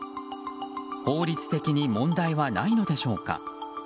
法律的に問題はないのでしょうか。